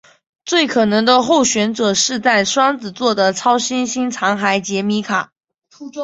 最可能的候选者是在双子座的超新星残骸杰敏卡。